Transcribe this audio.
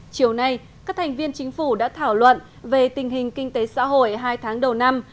chiều nay các thành viên chính phủ đã thảo luận về tình hình kinh tế xã hội hai tháng đầu năm